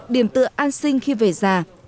điểm tựa an sinh khi về già